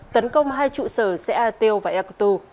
tấn công hai trụ sở xã ateo và ekoto